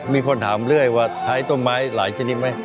มีคนถามเรื่อยว่าใช้ต้นไม้หลายชนิดไหม